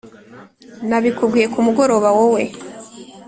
nabikubwiye kumugoroba wowe